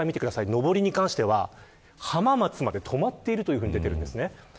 上りに関しては浜松まで止まっていると出ているんですね。